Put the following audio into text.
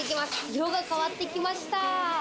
色が変わってきました。